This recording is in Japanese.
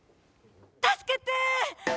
助けて！